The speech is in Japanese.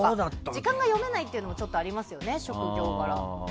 時間が読めないというのもちょっとありますよね、職業柄。